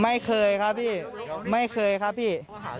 ไม่เคยครับพี่ไม่เคยครับพี่